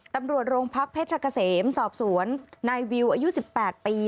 ตำรวจโรงพักเพชรกะเสมสอบสวนนายวิวอายุ๑๘ปี